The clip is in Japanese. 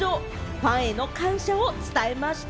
ファンへの感謝を伝えました。